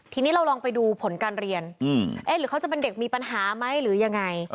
ทีนี้เราลองไปดูผลการเรียนเอ๊ะหรือเขาจะเป็นเด็กมีปัญหาไหมหรือยังไง